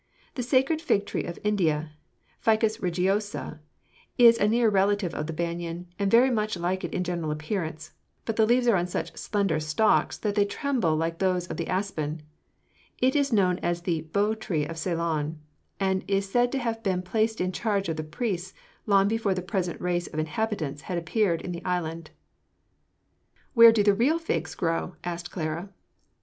The sacred fig tree of India Ficus religiosa is a near relative of the banyan, and very much like it in general appearance; but the leaves are on such slender stalks that they tremble like those of the aspen. It is known as the bo tree of Ceylon, and is said to have been placed in charge of the priests long before the present race of inhabitants had appeared in the island." "Where do the real figs grow?" asked Clara.